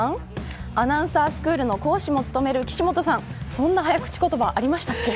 アナウンサースクールの講師も務める岸本さんそんな早口言葉ありましたっけ。